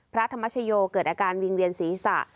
พระธรรมชโยเกิดอาการวิงเวียนศีรษะ